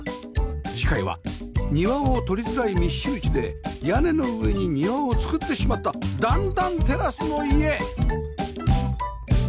次回は庭をとりづらい密集地で屋根の上に庭を造ってしまった段々テラスの家！